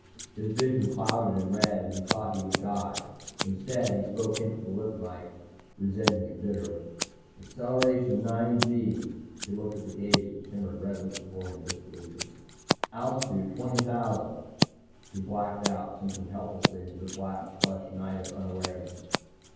His vision clouded in red and he thought he would die. Instead, he spoke into the lip mike, resenting it bitterly. "Acceleration ... nine gee." He looked at the gauge that shimmered redly before him, disbelieving. "Altitude 20,000." He blacked out, sinking helplessly into the black plush night of unawareness.